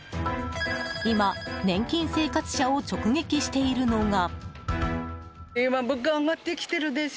今、年金生活者を直撃しているのが。